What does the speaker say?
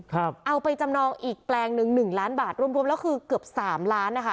เอาไปจำนองอีกแปลงหนึ่งหนึ่งล้านบาทรวมรวมแล้วคือเกือบสามล้านนะคะ